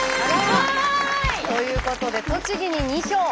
わい！ということで栃木に２票！